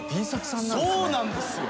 そうなんですよ。